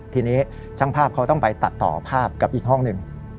ทีนี้ช่างภาพเขาต้องไปตัดต่อภาพกับอีกห้องหนึ่ง